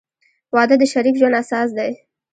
• واده د شریک ژوند اساس دی.